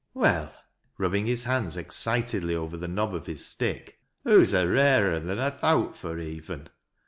" Well," rubbing his hands excitedly over the knob oi his stick, " hoo's a rarer un than I thowt fur, even.